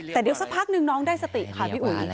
แต่เดี๋ยวสักพักนึงน้องได้สติค่ะพี่อุ๋ย